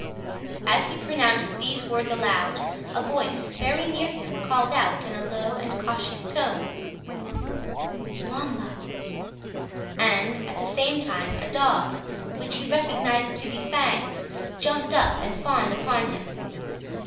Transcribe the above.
As he pronounced these words aloud, a voice very near him called out in a low and cautious tone, "Wamba!" and, at the same time, a dog, which he recognised to be Fangs, jumped up and fawned upon him.